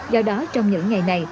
do đó trong những ngày này